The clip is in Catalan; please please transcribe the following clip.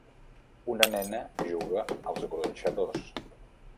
Una nena juga als gronxadors.